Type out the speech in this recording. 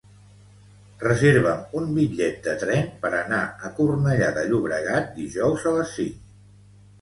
Reserva'm un bitllet de tren per anar a Cornellà de Llobregat dijous a les cinc.